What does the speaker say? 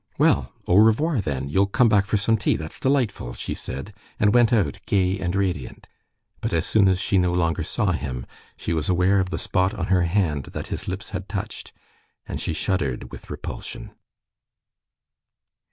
"Well, au revoir, then! You'll come back for some tea; that's delightful!" she said, and went out, gay and radiant. But as soon as she no longer saw him, she was aware of the spot on her hand that his lips had touched, and she shuddered with repulsion.